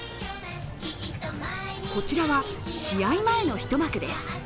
こちらは試合前の一幕です。